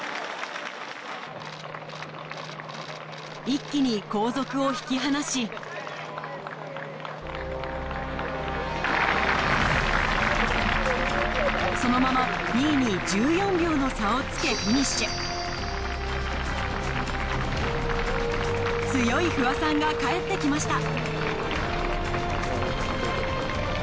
一気に後続を引き離しそのまま２位に１４秒の差をつけフィニッシュ強い不破さんが帰って来ました